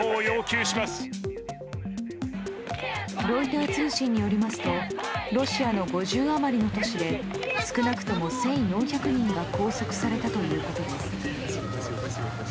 ロイター通信によりますとロシアの５０余りの都市で少なくとも１４００人が拘束されたということです。